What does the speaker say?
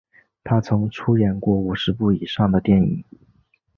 他曾出演过五十部以上的电影。